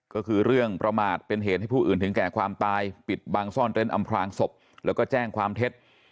ก็คือเรื่องประมาทเป็นเหตุให้ผู้อื่นถึงแก่ความตายปิดบังซ่อนเต้นอำพลางศพแล้วก็แจ้งความเท็จ